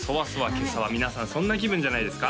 今朝は皆さんそんな気分じゃないですか？